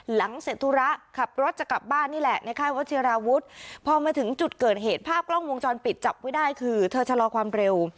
หลังเสร็จธุระขับรถจะกลับบ้านนี่แหละในค่ายวัชิราวุฒิพอมาถึงจุดเกิดเหตุภาพกล้องวงจรปิดจับไว้ได้คือเธอชะลอความเร็ว